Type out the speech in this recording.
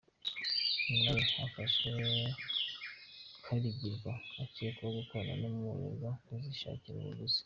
Nyuma ye, hafashwe Karigirwa ; ukekwaho gukorana na Umurerwa kuzishakira abaguzi."